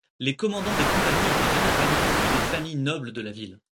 Les commandants des compagnies étaient généralement issus des familles nobles de la ville.